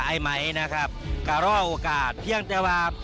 ไอไหมนะครับก็รอโอกาสเพียงแต่ว่า